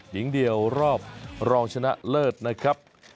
หญิงเดียวรอบรองชนะเลิศนะครับ